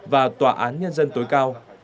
và tòa án nhân dân tối cao